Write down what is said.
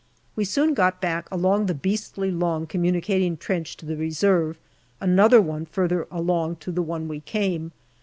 We soon got back along the beastly long communicating trench to the Reserve, another one farther along to the one we came.